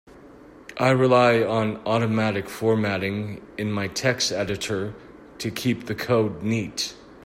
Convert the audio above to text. I rely on automatic formatting in my text editor to keep the code neat.